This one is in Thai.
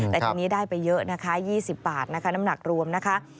แต่ทีนี้ได้ไปเยอะนะคะ๒๐บาทนะคะน้ำหนักรวมนะคะ